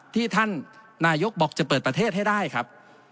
ที่ท่านนายกบอกจะเปิดประเทศให้ได้ครับ